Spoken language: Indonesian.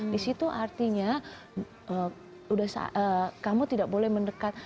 di situ artinya kamu tidak boleh mendekat